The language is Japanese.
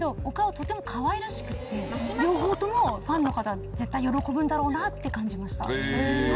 とてもかわいらしくて両方ともファンの方絶対喜ぶんだろうなって感じました。